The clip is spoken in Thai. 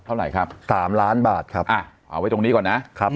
เท่าไหร่ครับสามล้านบาทครับอ่ะเอาไว้ตรงนี้ก่อนนะครับ